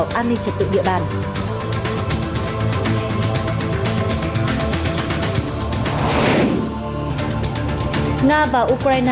nga và ukraine đạt được khỏa thuận về việc thiết lập bảy hành lang nhân đạo được sơ tán dân hưởng